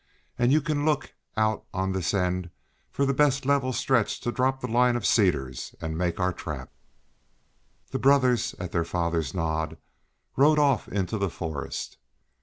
And you can look out on this end for the best level stretch to drop the line of cedars and make our trap." The brothers, at their father's nod, rode off into the forest.